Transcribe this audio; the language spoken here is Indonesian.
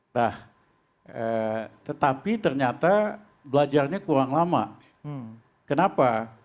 nah tetapi ternyata belajarnya kurang lama kenapa